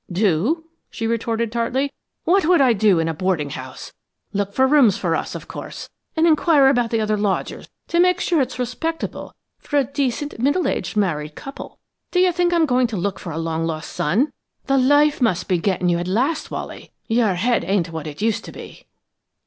"Do?" she retorted tartly. "What would I do in a boarding house? Look for rooms for us, of course, and inquire about the other lodgers to be sure it's respectable for a decent, middle aged, married couple. Do you think I'm goin' lookin' for a long lost son? The life must be gettin' you at last, Wally! Your head ain't what it used to be."